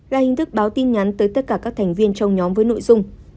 là hình thức báo tin nhắn tới tất cả các thành viên trong nhóm với nội dung